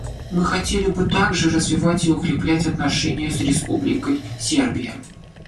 Мы хотели бы также развивать и укреплять отношения с Республикой Сербия.